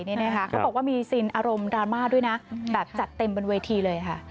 เขาบอกว่ามีซินอารมณ์ดราม่าด้วยนะแบบจัดเต็มบนเวทีเลยค่ะ